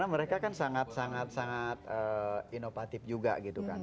karena mereka kan sangat sangat inovatif juga gitu kan